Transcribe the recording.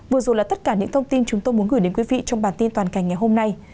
vừa rồi là tất cả những thông tin chúng tôi muốn gửi đến quý vị trong bản tin toàn cảnh ngày hôm nay